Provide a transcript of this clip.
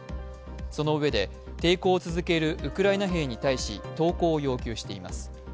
そのうえで抵抗を続けるウクライナ兵に対し投降を要求しています。